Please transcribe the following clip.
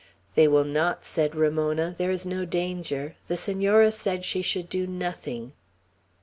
"They will not," said Ramona. "There is no danger. The Senora said she should do nothing.